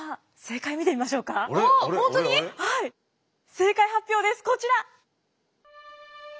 正解発表ですこちら！